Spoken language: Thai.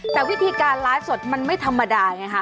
แต่วิธีการไลฟ์สดมันไม่ธรรมดาไงคะ